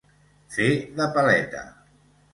Fer de paleta.